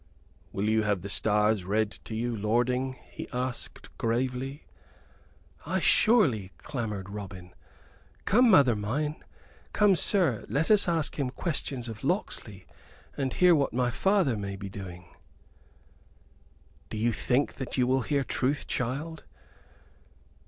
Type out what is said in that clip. "Will you have the stars read to you, lording?" he asked, gravely. "Ay, surely!" clamored Robin. "Come, mother mine; come, sir, let us ask him questions of Locksley, and hear what my father may be doing." "Do you think that you will hear truth, child?